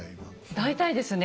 大体ですね